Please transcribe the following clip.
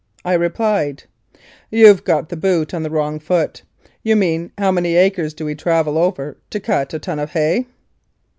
I replied, "You've got the boot on the wrong foot; you mean how many acres do we travel over to cut a ton of hay